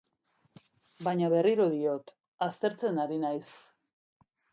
Baina berriro diot, aztertzen ari naiz.